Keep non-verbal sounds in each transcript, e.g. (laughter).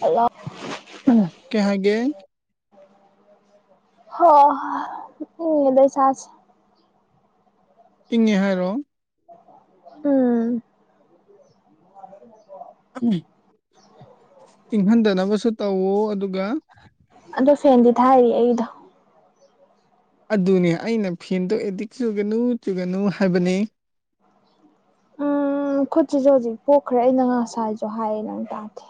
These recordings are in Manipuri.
ꯍꯜꯂꯣ ꯎꯝ ꯀꯩ ꯍꯥꯏꯒꯦ ꯍꯥ ꯎꯡꯉꯦꯗ ꯏꯁꯥꯖꯦ ꯏꯪꯉꯦ ꯍꯥꯏꯔꯣ ꯎꯝ ꯎꯝ ꯏꯡꯍꯟꯗꯅꯕꯁꯨ ꯇꯧꯋꯣ ꯑꯗꯨꯒ ꯑꯗꯣ ꯐꯦꯟꯗꯤ ꯊꯥꯏꯔꯤ ꯑꯩꯗꯣ ꯑꯗꯨꯅꯦ ꯑꯩꯅ ꯐꯦꯟꯗꯣ ꯑꯦꯗꯤꯛ ꯆꯨꯒꯅꯨ ꯆꯨꯒꯅꯨ ꯍꯥꯏꯕꯅꯤ ꯎꯝ ꯈꯨꯠꯁꯤꯁꯨ ꯍꯧꯖꯤꯛ ꯄꯣꯛꯈ꯭ꯔꯦ ꯑꯩꯅ ꯉꯁꯥꯏꯁꯨ ꯍꯥꯏꯌꯦ ꯅꯪ ꯇꯥꯗꯦ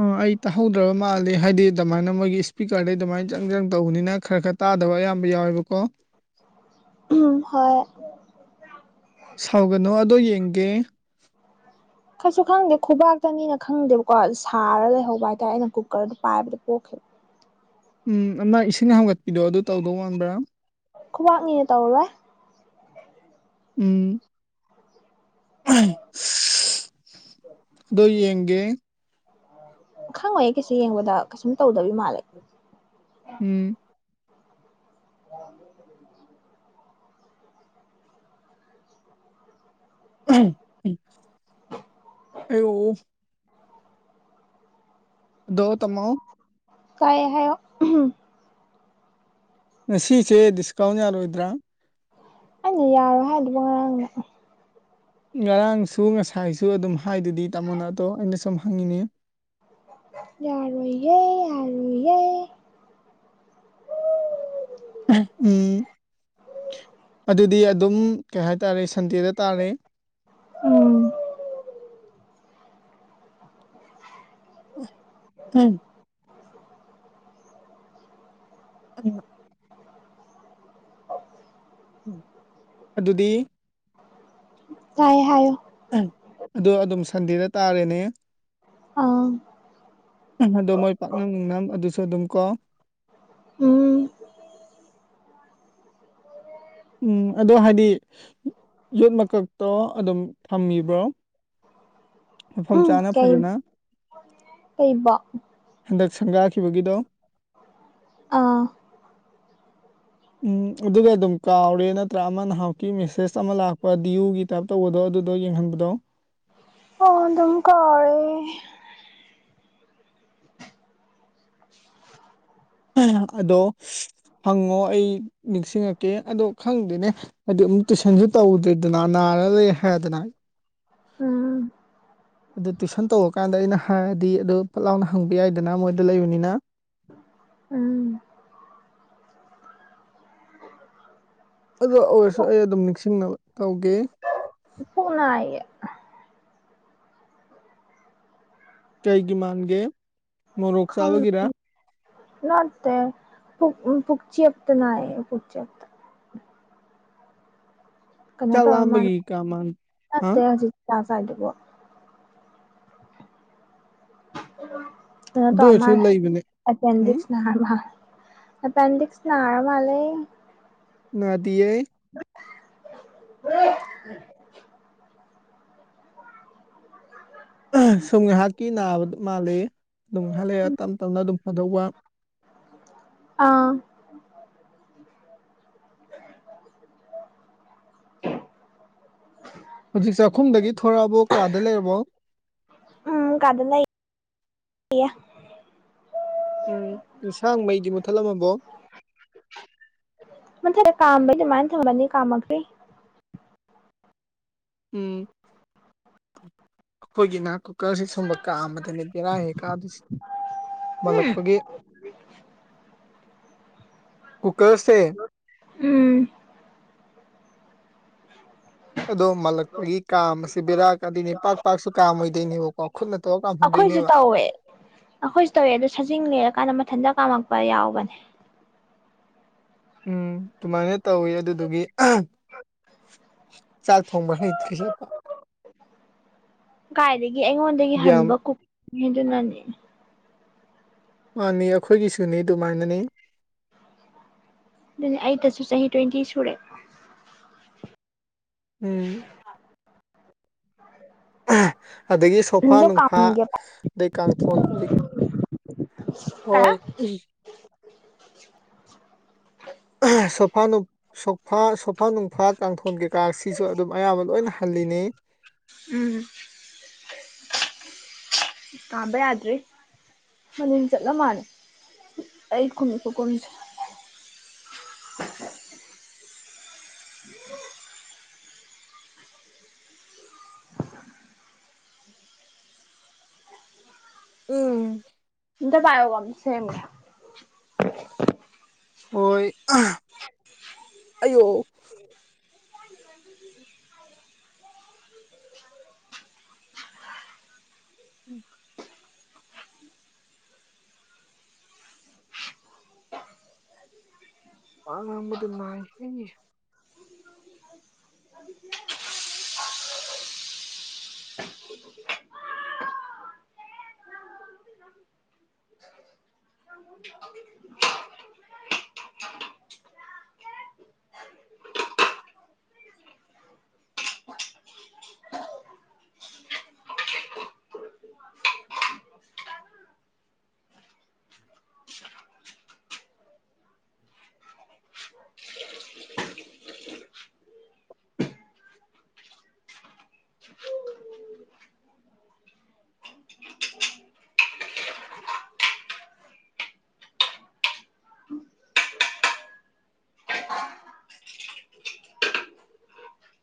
ꯑ ꯑꯩ ꯇꯥꯍꯧꯗ꯭ꯔꯕ ꯃꯥꯜꯂꯦ ꯍꯥꯏꯗꯤ ꯑꯗꯨꯃꯥꯏꯅ ꯃꯣꯏꯒꯤ ꯏꯁꯄꯤꯀ꯭ꯔꯗꯩ ꯑꯗꯨꯃꯥꯏꯅ ꯖꯪ ꯖꯪ ꯇꯧꯕꯅꯤꯅ ꯈꯔ ꯈꯔ ꯇꯥꯗꯕ ꯑꯌꯥꯝꯕ ꯌꯥꯎꯋꯦꯕꯀꯣ ꯎꯝ ꯍꯣꯏ ꯁꯥꯎꯒꯅꯣ ꯑꯗꯣ ꯌꯦꯡꯒꯦ ꯀꯩꯁꯨ ꯈꯪꯗꯦ ꯈꯨꯕꯥꯛꯇꯅꯤꯅ ꯈꯪꯗꯦꯕꯀꯣ ꯁꯥꯔ ꯂꯩꯍꯧꯕ ꯍꯥꯏꯇꯥꯔꯦ ꯑꯩꯅ ꯀꯨꯀꯔꯗꯣ ꯄꯥꯏꯕꯗꯣ ꯄꯣꯛꯈꯤꯕ ꯎꯝ ꯑꯃ ꯏꯁꯤꯡ ꯍꯥꯡꯒꯠꯄꯤꯗꯣ ꯑꯗꯨ ꯇꯧꯗꯧ ꯋꯥꯥꯟꯕ꯭ꯔꯥ ꯈꯨꯕꯥꯛꯅꯤꯅ ꯇꯧꯔꯣꯏ ꯎꯝ (unintelligible) ꯗꯣ ꯌꯦꯡꯒꯦ ꯈꯪꯉꯣꯢꯌꯦ ꯀꯩꯁꯨ ꯌꯦꯡꯕꯗ ꯀꯩꯁꯨꯝ ꯇꯧꯗꯕꯤ ꯃꯥꯜꯂꯦ ꯎꯝ (unintelligible) (unintelligible) ꯑꯌꯣ ꯑꯗꯣ ꯇꯃꯥꯎ ꯇꯥꯢꯌꯦ ꯍꯥꯏꯌꯣ (unintelligible) ꯉꯁꯤꯁꯦ ꯗꯤꯁꯀꯥꯎꯟ ꯌꯥꯔꯣꯏꯗ꯭ꯔꯥ ꯑꯩꯅ ꯌꯥꯔꯣꯏ ꯍꯥꯏꯗꯨꯕꯨ ꯉꯔꯥꯡꯅ ꯉꯔꯥꯡꯁꯨ ꯉꯁꯥꯏꯁꯨ ꯑꯗꯨꯝ ꯍꯥꯏꯗꯨꯗꯤ ꯇꯥꯃꯣꯅ ꯑꯇꯣ ꯑꯩꯅ ꯁꯨꯝ ꯍꯪꯉꯤꯅꯦ ꯌꯥꯔꯣꯏꯌꯦ ꯌꯥꯔꯣꯏ ꯌꯦ ꯎꯝ ꯑꯗꯨꯗꯤ ꯑꯗꯨꯝ ꯀꯩ ꯍꯥꯏꯇꯥꯔꯦ ꯁꯟꯗꯦꯗ ꯇꯥꯔꯦ ꯎꯝ (unintelligible) ꯑꯅꯤꯃꯛ ꯑꯗꯨꯗꯤ ꯇꯥꯏꯌꯦ ꯍꯥꯏꯌꯣ ꯑꯍꯝ ꯑꯗꯣ ꯑꯗꯨꯝ ꯁꯟꯗꯦꯗ ꯇꯥꯔꯦꯅꯦ ꯑꯥ ꯑꯗꯣ ꯃꯣꯏ ꯄꯥꯛꯅꯝ ꯅꯨꯡꯅꯝ ꯑꯗꯨꯁꯨ ꯑꯗꯨꯝ ꯀꯣ ꯎꯝ ꯎꯝ ꯑꯗꯨ ꯍꯥꯏꯗꯤ ꯌꯣꯠ ꯃꯀꯛꯇꯣ ꯑꯗꯨꯝ ꯊꯝꯃꯤꯕ꯭ꯔꯣ ꯃꯐꯝ ꯎꯝ ꯆꯥꯅ ꯀꯩ ꯐꯖꯅ ꯀꯩꯕꯣ ꯍꯟꯗꯛ ꯁꯪꯒꯥꯈꯤꯕꯒꯤꯗꯣ ꯑꯥ ꯎꯝ ꯑꯗꯨꯒ ꯑꯗꯨꯝ ꯀꯥꯎꯔꯦ ꯅꯠꯇ꯭ꯔꯥ ꯑꯃ ꯅꯍꯥꯛꯃꯨꯛꯀꯤ ꯃꯦꯁꯦꯁ ꯑꯃ ꯂꯥꯛꯄ ꯗꯤꯌꯨꯒꯤ ꯇꯥꯏꯞ ꯇꯧꯕꯗꯣ ꯑꯗꯨꯗꯣ ꯌꯦꯡꯍꯟꯕꯗꯣ ꯑꯣ ꯑꯗꯨꯝꯀꯥꯎꯔꯦ ꯑꯗꯣ ꯍꯪꯉꯣ ꯑꯩ ꯅꯤꯡꯁꯤꯡꯉꯛꯀꯦ ꯑꯗꯣ ꯈꯪꯗꯦꯅꯦ ꯑꯗꯨ ꯑꯃꯨꯛ ꯇꯨꯏꯁꯟꯁꯨ ꯇꯧꯗꯔꯦꯗꯅ ꯅꯥꯔ ꯂꯩ ꯍꯥꯏꯗꯅ ꯎꯝ ꯑꯗꯨ ꯇꯨꯐꯁꯟ ꯇꯧꯔꯀꯥꯟꯗ ꯑꯩꯅ ꯍꯥꯏꯔꯗꯤ ꯑꯗꯨ ꯐꯠ ꯂꯥꯎꯅ ꯍꯪꯕ ꯌꯥꯏꯗꯅ ꯃꯣꯏꯗ ꯂꯩꯕꯅꯤꯅ ꯎꯝ ꯑꯗꯣ ꯑꯣꯏꯔꯁꯨ ꯑꯩ ꯑꯗꯨꯝ ꯅꯤꯡꯁꯤꯡꯅꯕ ꯇꯧꯒꯦ ꯄꯨꯛ ꯅꯥꯏꯌꯦ ꯀꯩꯒꯤ ꯃꯥꯟꯒꯦ ꯃꯣꯔꯣꯛ ꯈꯪ ꯆꯥꯕꯒꯤꯔꯥ ꯅꯠꯇꯦ ꯄꯨꯛ ꯄꯨꯛꯆꯦꯞꯇ ꯅꯥꯌꯦ ꯄꯨꯛꯆꯦꯞ ꯀꯩꯅꯣ ꯆꯥꯛ ꯇꯧꯔ ꯃꯥꯜꯂꯦ ꯂꯥꯝꯕꯒꯤ ꯀꯥ ꯃꯥꯟ ꯍꯥ ꯅꯠꯇꯦ ꯍꯧꯖꯤꯛ ꯆꯥꯛ ꯆꯥꯏꯗꯨꯕꯣ ꯀꯩꯅꯣ ꯑꯗꯨ ꯇꯧꯔ ꯑꯣꯏꯔꯁꯨ ꯃꯥꯂꯦ ꯂꯩꯕꯅꯦ ꯎꯝ ꯑꯄꯦꯟꯗꯤꯛꯁ ꯅꯍꯥꯟ ꯅꯍꯥꯟ ꯑꯦꯄꯦꯟꯗꯤꯛꯁ ꯅꯥꯔ ꯃꯥꯜꯂꯦ ꯅꯥꯗꯤꯌꯦ (unintelligible) ꯁꯨꯝ ꯉꯥꯏꯍꯥꯛꯀꯤ ꯅꯥꯕꯗꯨ ꯃꯥꯜꯂꯦ ꯑꯗꯨꯝ ꯉꯍꯥꯛ ꯂꯩꯔ ꯇꯞꯅ ꯇꯞꯅ ꯑꯗꯨꯝ ꯐꯗꯧꯕ ꯑꯥ (unintelligible) ꯍꯧꯖꯤꯛ ꯆꯥꯛꯈꯨꯝꯗꯒꯤ ꯊꯣꯔꯛꯑꯕꯣ ꯀꯥꯗ ꯂꯩꯔꯕꯣ ꯎꯝ ꯀꯥꯗ ꯂꯩ ꯌꯦ ꯎꯝ ꯏꯟꯁꯥꯡ ꯃꯩꯗꯤ ꯃꯨꯠꯊꯠꯂꯝꯃꯕꯣ ꯃꯨꯊꯠ ꯀꯥꯝꯕꯩ ꯑꯗꯨꯃꯥꯏꯅ ꯊꯝꯕꯅꯤ ꯀꯥꯝꯃꯛꯇꯦ ꯎꯝ ꯑꯩꯈꯣꯏꯒꯤꯅ ꯀꯨꯀꯔꯁꯤ ꯁꯨꯝꯕ ꯀꯥꯝꯕꯗꯅꯤ ꯕꯦꯔꯥ ꯍꯦꯛ ꯍꯦꯛ ꯀꯥꯕꯁꯤ ꯃꯜꯂꯛꯄꯒꯤ ꯀꯨꯀꯔꯁꯦ ꯎꯝ ꯑꯗꯣ ꯃꯜꯂꯛ ꯈꯣꯏꯒꯤ ꯀꯥꯝꯕꯁꯤ ꯕꯦꯔꯥ ꯀꯗꯨꯏꯅꯦ ꯄꯥꯛ ꯄꯥꯛꯁꯨ ꯀꯥꯝ ꯑꯣꯏꯗꯣꯏꯅꯦꯕꯀꯣ ꯈꯨꯠꯅꯒ ꯇꯧꯔꯒ ꯑꯩꯈꯣꯏꯁꯨ ꯀꯥꯝꯍꯟꯗꯣꯏꯅꯦꯕ ꯇꯧꯋꯦ ꯑꯩꯈꯣꯏꯁꯨ ꯇꯧꯋꯦ ꯑꯗꯣ ꯁꯖꯤꯡ ꯂꯩꯔꯀꯥꯟꯗ ꯃꯊꯟꯇ ꯀꯥꯝꯃꯛꯄ ꯌꯥꯎꯕꯅꯦ ꯎꯝ ꯑꯗꯨꯃꯥꯏꯅ ꯇꯧꯋꯤ ꯑꯗꯨꯗꯨꯒꯤ ꯆꯥꯛ ꯊꯣꯡꯕ ꯍꯩꯇ꯭ꯔꯤꯁꯦ ꯀꯥꯏꯗꯒꯤ ꯑꯩꯉꯣꯟꯗꯒꯤ ꯌꯥꯝ ꯍꯟꯕ ꯀꯨꯛ ꯅꯤ ꯑꯗꯨꯅꯅꯤ ꯃꯥꯅꯤ ꯑꯩꯈꯣꯏꯒꯤꯁꯨꯅꯤ ꯑꯗꯨꯃꯥꯏꯅꯅꯤ ꯑꯗꯨꯅꯦ ꯑꯩꯇꯁꯨ ꯆꯍꯤ ꯇ꯭ꯋꯦꯟꯇꯤ ꯁꯨꯔꯦ ꯎꯝ ꯑꯗꯒꯤ ꯁꯣꯐꯥ ꯗꯣ ꯅꯨꯡꯐꯥ ꯀꯥꯝꯒꯦ ꯑꯗꯩ ꯀꯥꯡꯊꯣꯟ ꯀꯔꯤ (unintelligible) (unintelligible) ꯁꯣꯐꯥ ꯅꯨꯛ ꯁꯣꯐꯥ ꯁꯣꯐꯥ ꯅꯨꯡꯐꯥ ꯀꯥꯡꯊꯣꯟ ꯀꯩꯀꯥꯁꯤꯁꯨ ꯑꯗꯨꯝ ꯑꯌꯥꯝꯕ ꯂꯣꯏꯅ ꯍꯜꯂꯤꯅꯦ ꯎꯝ ꯀꯥꯝꯕ ꯌꯥꯗ꯭ꯔꯤ ꯃꯅꯤꯟ ꯆꯠꯂ ꯃꯥꯜꯂꯦ ꯑꯩ ꯈꯨꯝꯃꯤ ꯈꯨꯈꯨꯝꯁꯦ ꯎꯝ ꯑꯝꯇ ꯄꯥꯏꯌꯣꯀꯣ ꯑꯝꯇ ꯁꯦꯝꯒꯦ ꯍꯣꯏ ꯑꯌꯣ (inaudible) ꯎꯝ (inaudible) ꯋꯥ ꯉꯥꯡꯕꯗ ꯅꯥꯏ ꯏꯅꯤ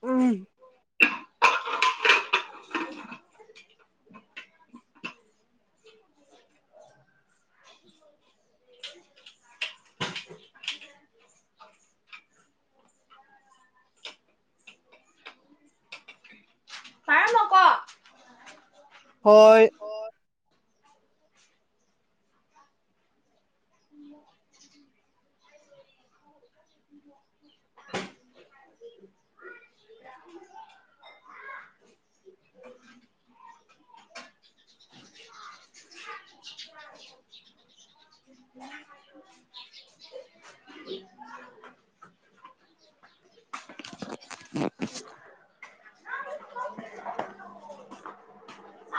ꯎꯝ (inaudible) ꯍꯣꯏ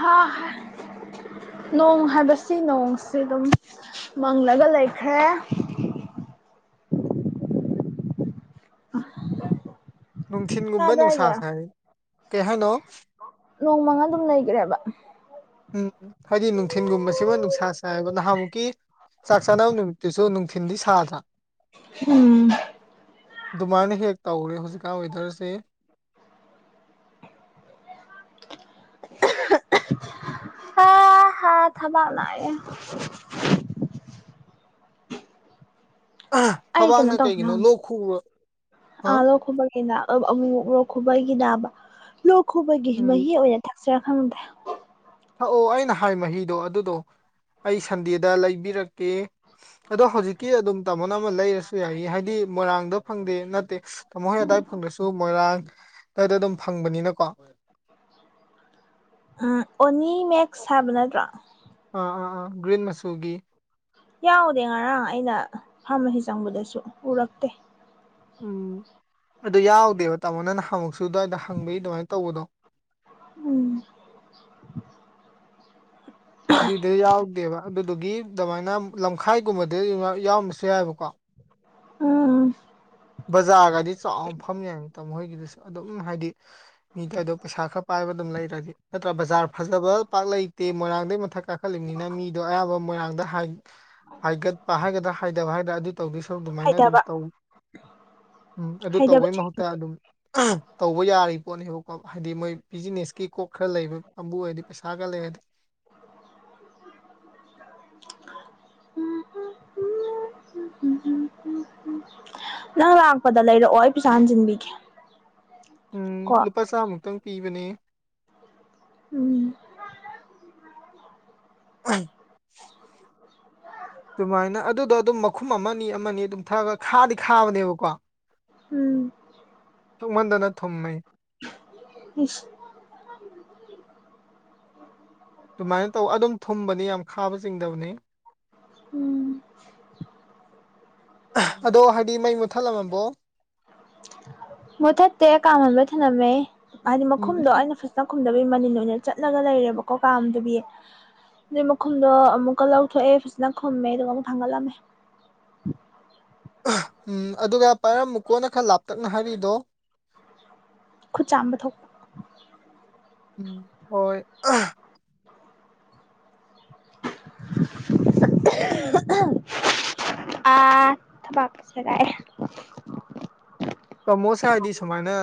ꯍꯥꯍꯥ ꯅꯣꯡ ꯍꯥꯏꯕꯁꯤ ꯅꯣꯡꯁꯤ ꯑꯗꯨꯝ ꯃꯪꯂꯒ ꯂꯩꯈ꯭ꯔꯦ ꯅꯨꯡꯊꯤꯟꯒꯨꯝꯕ ꯇꯥꯕ꯭ꯔꯥ ꯍꯥꯏꯖꯦ ꯅꯨꯡꯁꯥ ꯁꯥꯏ ꯀꯩ ꯍꯥꯏꯅꯣ ꯅꯣꯡ ꯃꯪꯉꯥ ꯑꯗꯨꯝ ꯂꯩꯒ꯭ꯔꯦꯕ ꯎꯝ ꯍꯥꯏꯗꯤ ꯅꯨꯡꯊꯤꯟꯒꯨꯝꯕꯁꯤꯃ ꯅꯨꯡꯁꯥ ꯁꯥꯏꯕ ꯅꯍꯥꯟꯃꯨꯛꯀꯤ ꯆꯥꯛ ꯆꯥꯅꯕ ꯅꯨꯃꯤꯠꯇꯨꯁꯨ ꯅꯨꯡꯊꯤꯟꯗꯤ ꯁꯥꯗ꯭ꯔꯥ (unintelligible) ꯑꯗꯨꯃꯥꯏꯅ ꯍꯦꯛ ꯇꯧꯔꯦ ꯍꯧꯖꯤꯛꯀꯥꯟ ꯋꯦꯗꯔꯁꯦ ꯑꯥ ꯊꯕꯥꯛ ꯅꯥꯏꯌꯦ ꯑꯩ ꯀꯩꯅꯣ ꯊꯕꯥꯛꯅ ꯇꯧꯁꯤꯔ ꯀꯩꯒꯤꯅꯣ ꯈꯪꯗꯦ ꯂꯣꯛ ꯈꯨꯕ ꯑꯥ ꯍꯥ ꯂꯣ ꯈꯨꯕꯩ (unintelligible) ꯑꯃꯨ ꯃꯨꯛ ꯂꯣꯛ ꯈꯨꯕꯒꯤ ꯅꯥꯕ ꯂꯣꯛ ꯈꯨꯕꯒꯤ ꯎꯝ ꯃꯍꯤ ꯑꯣꯏꯅ ꯊꯛꯁꯤꯔ ꯈꯪꯗꯦ ꯊꯥꯛꯑꯣ ꯑꯩꯅ ꯍꯥꯏ ꯃꯍꯤꯗꯣ ꯑꯗꯨꯗꯣ ꯑꯩ ꯁꯟꯗꯦꯗ ꯂꯩꯕꯤꯔꯛꯀꯦ ꯑꯗꯣ ꯍꯧꯖꯤꯛꯀꯤ ꯑꯗꯨꯝ ꯇꯥꯃꯣꯅ ꯑꯃꯥ ꯂꯩꯔꯁꯨ ꯌꯥꯏꯌꯦ ꯍꯥꯏꯗꯤ ꯃꯣꯏꯔꯥꯡꯗ ꯐꯪꯗꯦ ꯅꯠꯇꯦ ꯇꯥꯃꯣ ꯍꯣꯏ ꯑꯗꯋꯥꯏ ꯐꯪꯗ꯭ꯔꯁꯨ ꯃꯣꯏꯔꯥꯡ ꯑꯗ꯭ꯋꯥꯏꯗ ꯑꯗꯨꯝ ꯐꯪꯕꯅꯤꯅꯀꯣ ꯑꯥ ꯑꯣꯅꯤ ꯃꯦꯛꯁ ꯍꯥꯏꯕ ꯅꯠꯇ꯭ꯔꯣ ꯑꯥ ꯑꯥ ꯑꯥ ꯒ꯭ꯔꯤꯟ ꯃꯆꯨꯒꯤ ꯌꯥꯎꯗꯦ ꯉꯔꯥꯡ ꯑꯩꯅ ꯐꯥꯔꯃꯁꯤ ꯆꯪꯕꯗꯁꯨ ꯎꯔꯛꯇꯦ ꯎꯝ ꯑꯗꯨ ꯌꯥꯎꯗꯦꯕ ꯇꯥꯃꯣꯅ ꯅꯍꯥꯟꯃꯨꯛꯁꯨ ꯑꯗꯨꯋꯥꯏꯗ ꯍꯪꯕꯒꯤ ꯑꯗꯨꯃꯥꯏ ꯇꯧꯕꯗꯣ ꯎꯝ ꯑꯗꯨꯏꯗ ꯌꯥꯎꯗꯦꯕ ꯑꯗꯨꯗꯨꯒꯤ ꯑꯗꯨꯃꯥꯏꯅ ꯂꯝꯈꯥꯏꯒꯨꯝꯕꯗ ꯌꯥꯎꯔꯝꯃꯁꯨ ꯌꯥꯏꯑꯕꯀꯣ ꯎꯝꯎꯝ ꯕꯖꯥꯔꯒꯗꯤ ꯆꯥꯎ ꯐꯝ ꯌꯥꯏꯅꯤ ꯇꯥꯃꯣ ꯍꯣꯏꯒꯤꯗꯨꯁꯨ ꯑꯗꯨꯝ ꯍꯥꯏꯗꯤ ꯃꯤꯗ ꯑꯗꯣ ꯄꯩꯁꯥ ꯈꯔ ꯄꯥꯏꯕ ꯑꯗꯨꯝ ꯂꯩꯔꯗꯤ ꯅꯠꯇ꯭ꯔꯥ ꯕꯖꯥꯔ ꯐꯖꯕ ꯄꯥꯛ ꯂꯩꯇꯦ ꯃꯣꯏꯔꯥꯡꯗꯩ ꯃꯊꯛ ꯀꯥꯈꯠꯂꯤꯝꯅꯤꯅ ꯃꯤꯗꯣ ꯑꯌꯥꯝꯕ ꯃꯣꯏꯔꯥꯡꯗ ꯍꯥꯏ ꯍꯥꯏꯒꯠꯄ ꯍꯥꯏꯒꯗ꯭ꯔꯥ ꯍꯥꯏꯗꯕ ꯍꯥꯏꯒꯗ꯭ꯔꯥ ꯑꯗꯨ ꯇꯧꯗꯣꯏ ꯁꯔꯨꯛ ꯑꯗꯨꯃꯥꯏꯅ ꯑꯗꯨꯝ ꯍꯩꯊꯕ ꯇꯧ (inaudible) ꯎꯝ ꯑꯗꯨ ꯍꯩꯊꯕ ꯇꯧꯕꯩ ꯃꯍꯨꯠꯇ ꯑꯗꯨꯝ ꯇꯧꯕ ꯌꯥꯔꯤ ꯄꯣꯠꯅꯤꯕꯀꯣ ꯍꯥꯏꯗꯤ ꯃꯣꯏ ꯕꯤꯖꯤꯅꯦꯁꯀꯤ ꯀꯣꯛ ꯈꯔ ꯂꯩꯕ ꯀꯥꯡꯕꯨ ꯑꯣꯏꯔꯗꯤ ꯄꯩꯁꯥꯒ ꯂꯩꯔꯗꯤ (inaudible) (inaudible) ꯎꯝ ꯎꯝ ꯅꯪ ꯂꯥꯛꯄꯗ ꯂꯩꯔꯛꯑꯣ ꯑꯩ ꯄꯩꯁꯥ ꯍꯟꯖꯟꯕꯤꯒꯦ ꯎꯝ ꯂꯨꯄꯥ ꯆꯥꯝꯃꯨꯛꯇꯪ ꯄꯤꯕꯅꯦ ꯎꯝ (unintelligible) ꯑꯗꯨꯃꯥꯏꯅ ꯑꯗꯨꯗꯣ ꯑꯗꯨꯝ ꯃꯈꯨꯝ ꯑꯃꯅꯤ ꯑꯃꯅꯤ ꯑꯗꯨꯝ ꯊꯛꯑꯒ ꯈꯥꯗꯤ ꯈꯥꯕꯅꯦꯕꯀꯣ ꯎꯝ ꯊꯧꯃꯟꯗꯅ ꯊꯨꯝꯃꯦ ꯏꯁ ꯑꯗꯨꯃꯥꯏꯅ ꯇꯧ ꯑꯗꯨꯝ ꯊꯨꯝꯕꯅꯦ ꯌꯥꯝ ꯈꯥꯕ ꯆꯤꯡꯗꯕꯅꯤ ꯎꯝ ꯑꯗꯣ ꯍꯥꯏꯗꯤ ꯃꯩ ꯃꯨꯊꯠꯂꯝꯃꯕꯣ ꯃꯨꯊꯠꯇꯦ ꯀꯥꯝꯍꯟꯂ ꯊꯅꯝꯃꯦ ꯍꯥꯏꯗꯤ ꯎꯝ ꯃꯈꯨꯝꯗꯣ ꯑꯩꯅ ꯐ ꯖꯅ ꯈꯨꯝꯗꯕꯩ ꯃꯅꯤꯟ ꯑꯣꯏꯅ ꯆꯠꯂꯒ ꯂꯩꯔꯦꯕꯀꯣ ꯀꯥꯝꯗꯕꯤ ꯑꯗꯨꯏ ꯃꯈꯨꯝꯗꯣ ꯑꯃꯨꯛꯀ ꯂꯧꯊꯣꯛꯑꯦ ꯐꯖꯅ ꯈꯨꯝꯃꯦ ꯑꯗꯨꯒ ꯑꯃꯨꯛ ꯊꯥꯡꯒꯠꯂꯝꯃꯦ ꯎꯝ ꯑꯗꯨꯒ ꯄꯥꯏꯔꯝ ꯃꯨꯀꯣꯟꯅ ꯈꯔ ꯂꯥꯞꯇꯛꯅ ꯍꯥꯏꯔꯤꯗꯣ ꯈꯨꯠ ꯆꯥꯝꯕ ꯊꯣꯛꯄ ꯎꯝ ꯍꯣꯏ (unintelligible) ꯑꯥ ꯊꯕꯥꯛꯀ ꯁꯦꯒꯥꯏꯌꯦ ꯇꯥꯃꯣꯁꯦ ꯍꯥꯏꯗꯤ ꯁꯨꯃꯥꯏꯅ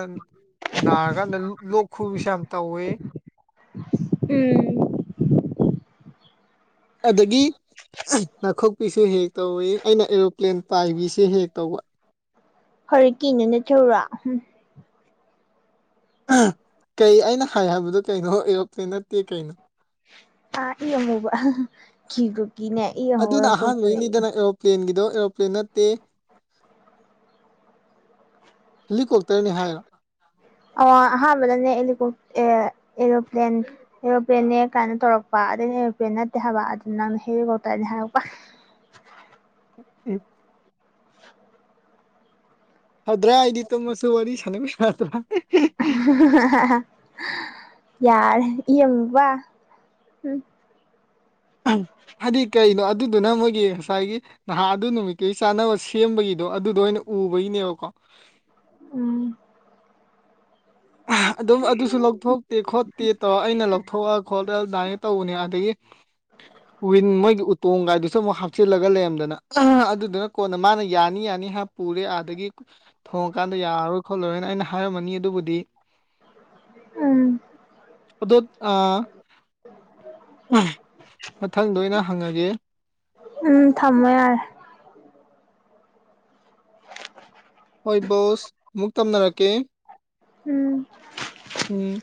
ꯅꯥꯔꯀꯥꯟꯗ ꯂꯣ ꯂꯣꯛ ꯈꯨꯕꯤꯁꯦ ꯌꯥꯝ ꯇꯧꯋꯦ ꯎꯝ ꯑꯗꯒꯤ ꯅꯥꯈꯣꯛꯄꯤꯁꯨ ꯍꯦꯛ ꯇꯧꯋꯦ ꯑꯩꯅ ꯑꯦꯔꯣꯄ꯭ꯂꯦꯟ ꯄꯥꯏꯕꯤꯁꯦ ꯍꯦꯍꯦꯛ ꯇꯧꯕ ꯐꯔꯦꯀꯤꯅꯣ ꯅꯊꯧꯔꯣ ꯍꯨꯝ ꯀꯩ ꯑꯩꯅ ꯍꯥꯏ ꯍꯥꯏꯕꯗꯣ ꯀꯩꯅꯣ ꯑꯦꯔꯣꯄ꯭ꯂꯦꯟ ꯅꯠꯇꯦ ꯀꯩꯅꯣ ꯑꯥ ꯏ ꯑꯃꯨꯕ ꯀꯤꯕꯨ ꯀꯤꯅꯦ ꯑꯗꯨꯅ ꯑꯍꯥꯟꯕꯩꯅꯤꯗꯅ ꯑꯦꯔꯣꯞ ꯄ꯭ꯂꯦꯟꯒꯤꯗꯣ ꯑꯦꯔꯣꯄ꯭ꯂꯦꯟ ꯅꯠꯇꯦ ꯍꯦꯂꯤꯀꯣꯞ ꯇꯔꯅꯤ ꯍꯥꯏꯕ ꯑꯣ ꯑꯍꯥꯟꯕꯅꯅꯦ ꯑꯦꯂꯤꯀꯣ ꯑꯦ ꯑꯦꯔꯣꯄ꯭ꯂꯦꯟ ꯑꯦꯔꯣꯄ꯭ꯂꯦꯟꯅꯦ ꯀꯥꯏꯅ ꯇꯧꯔꯛꯄ ꯑꯗꯩ ꯑꯩꯅ ꯑꯦꯔꯣꯄ꯭ꯂꯦꯟ ꯅꯠꯇꯦ ꯍꯥꯏꯕ ꯑꯗꯨ ꯅꯪꯅ ꯍꯦꯂꯤꯀꯣꯞꯇꯔꯅꯦ ꯍꯥꯏꯔꯛꯄ ꯎꯍ ꯐꯗ꯭ꯔꯥ ꯑꯩꯗꯤ ꯇꯨꯝꯃꯁꯨ ꯋꯥꯔꯤ ꯁꯥꯟꯅꯕꯤ ꯁꯥꯗ꯭ꯔꯥ ꯌꯥꯔꯦ ꯏ ꯑꯃꯨꯕ ꯍꯥꯏꯗꯤ ꯀꯩꯅꯣ ꯑꯗꯨꯗꯨꯅ ꯃꯣꯏꯒꯤ ꯉꯁꯥꯏꯒꯤ ꯅꯍꯥ ꯑꯗꯨ ꯅꯨꯃꯤꯠꯀꯤ ꯆꯥꯅꯕ ꯁꯦꯝꯕꯒꯤꯗꯣ ꯑꯗꯨꯗꯣ ꯑꯣꯏꯅ ꯎꯕꯩꯅꯦꯕꯀꯣ ꯎꯝ ꯑꯍꯥ ꯑꯗꯨꯝ ꯑꯗꯨꯁꯨ ꯂꯧꯊꯣꯛꯇꯦ ꯈꯣꯠꯇꯦ ꯇꯧꯔ ꯑꯩꯅ ꯂꯧꯊꯣꯛꯑ ꯈꯣꯠꯂ ꯗꯥꯏꯌꯔ ꯇꯧꯕꯅꯦ ꯑꯥꯗꯒꯤ ꯋꯤꯟ ꯃꯣꯏꯒꯤ ꯎꯇꯣꯡꯒꯥꯏꯗꯨꯁꯨ ꯃꯨꯛ ꯍꯥꯞ ꯆꯤꯜꯂꯒ ꯂꯩꯔꯝꯗꯅ ꯑꯍ ꯑꯗꯨꯗꯨꯅ ꯀꯣꯟꯅ ꯃꯥꯅ ꯌꯥꯅꯤ ꯌꯥꯅꯤ ꯍꯥꯏ ꯄꯨꯔꯦ ꯑꯥꯗꯒꯤ ꯊꯣꯡꯉꯀꯥꯟꯗ ꯌꯥꯔꯔꯣꯏ ꯈꯣꯠꯂꯔꯣꯏꯅ ꯑꯩꯅ ꯍꯥꯏꯔꯝꯃꯅꯤ ꯑꯗꯨꯕꯨꯗꯤ ꯎꯝ ꯑꯗꯣꯠ ꯑ ꯃꯊꯪꯗꯑꯣꯏꯅ ꯍꯪꯉꯒꯦ ꯎꯝ ꯊꯝꯃꯣ ꯌꯥꯔꯦ ꯍꯣꯏ ꯕꯣꯁ ꯑꯃꯨꯛ ꯇꯝꯅꯔꯛꯀꯦ ꯎꯝ ꯎꯝ